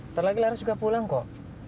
ntar lagi laras juga pulang kok